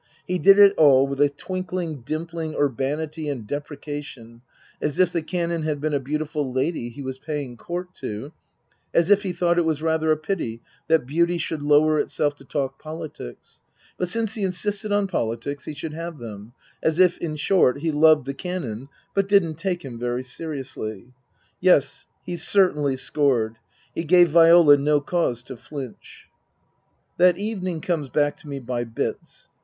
He did it all with a twinkling, dimpling urbanity and deprecation, as if the Canon had been a beautiful lady he was paying court to, as if he thought it was rather a pity that beauty should lower itself to talk politics ; but since he insisted on politics, he should have them ; as if, in short, he loved the Canon, but didn't take him very seriously. Yes ; he certainly scored. He gave Viola no cause to flinch. That evening comes back to me by bits.